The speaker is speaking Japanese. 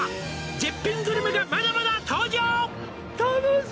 「絶品グルメがまだまだ登場！」